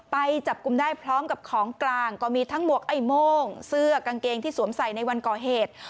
ไปจับกลุ่มได้พร้อมกับของกลางก็มีทั้งหมวกไอ้โม่งเสื้อกางเกงที่สวมใส่ในวันก่อเหตุ